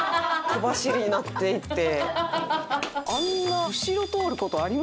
小走りになっていって。